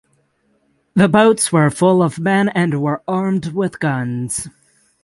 The boats were full of men and were armed with guns.